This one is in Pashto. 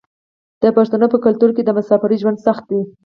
د پښتنو په کلتور کې د مسافرۍ ژوند سخت دی.